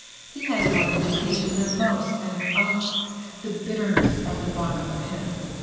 He has more education than most, and oh! the bitterness at the bottom of him.